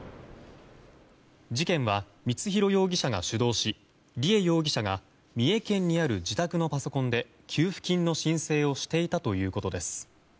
事件は光弘容疑者が主導し梨恵容疑者が三重県にある自宅のパソコンで給付金の申請をしていたということです。